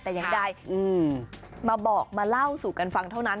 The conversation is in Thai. แต่อย่างใดมาบอกมาเล่าสู่กันฟังเท่านั้น